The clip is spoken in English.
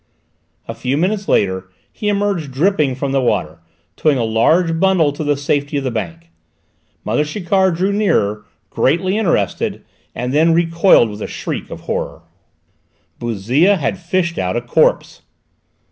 A few minutes later he emerged dripping from the water, towing a large bundle to the safety of the bank. Mother Chiquard drew nearer, greatly interested, and then recoiled with a shriek of horror. Bouzille had fished out a corpse!